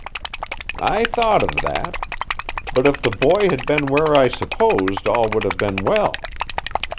"I thought of that. But if the boy had been where I supposed all would have been well.